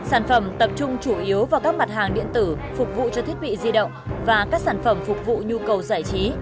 sản phẩm tập trung chủ yếu vào các mặt hàng điện tử phục vụ cho thiết bị di động và các sản phẩm phục vụ nhu cầu giải trí